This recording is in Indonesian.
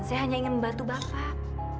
saya hanya ingin membantu bapak